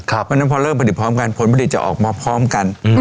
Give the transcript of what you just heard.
เพราะฉะนั้นพอเริ่มผลิตพร้อมกันผลผลิตจะออกมาพร้อมกัน